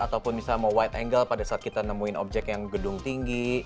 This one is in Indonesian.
ataupun misalnya mau wide angle pada saat kita nemuin objek yang gedung tinggi